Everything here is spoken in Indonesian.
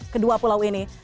kedua pulau ini